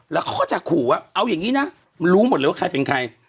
แล้วเขาก็จะขู่ว่าเอาอย่างนี้นะรู้หมดเลยว่าใครเป็นใคร